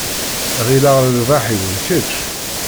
Ɣileɣ lerbaḥ-iw d kečč.